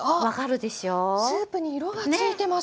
スープに色がついてます。